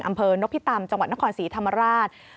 อำเภอนพิตำจังหวัดนครศรีธรรมราช